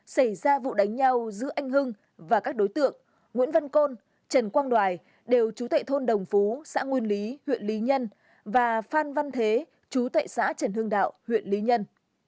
xảy ra vụ đánh nhau giữa anh hưng và các đối tượng nguyễn văn côn trần quang đoài đều trú tại thôn đồng phú xã nguyên lý huyện lý nhân và phan văn thế chú tại xã trần hưng đạo huyện lý nhân